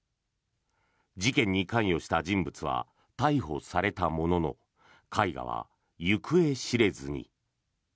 事件に関与した人物は逮捕されたものの絵画は行方知れずに。